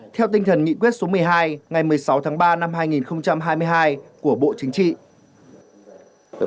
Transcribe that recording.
theo tinh thần nghị quyết số một mươi hai ngày một mươi sáu tháng ba năm hai nghìn hai mươi hai của bộ chính trị